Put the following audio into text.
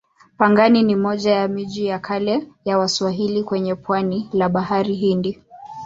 Pangani ni moja ya miji ya kale ya Waswahili kwenye pwani la Bahari Hindi.